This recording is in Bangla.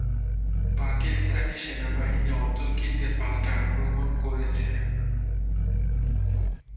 পাকিস্তানি সেনাবাহিনী অতর্কিতে পাল্টা আক্রমণ করেছে।